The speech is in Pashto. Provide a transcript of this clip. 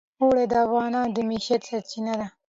اوړي د افغانانو د معیشت سرچینه ده.